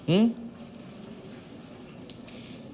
อื้อ